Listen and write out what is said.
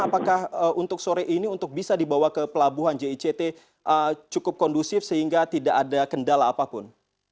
apakah untuk sore ini untuk bisa dibawa ke pelabuhan jict cukup kondusif sehingga tidak ada kendala apapun